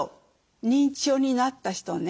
認知症になった人ね。